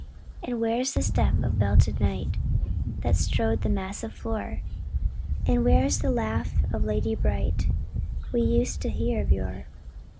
"And where's the step of belted knight, That strode the massive floor? And where's the laugh of lady bright, We used to hear of yore?